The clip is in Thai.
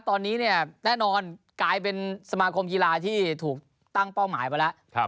ตอนนี้เนี่ยแน่นอนกลายเป็นสมาคมกีฬาที่ถูกตั้งเป้าหมายไปแล้ว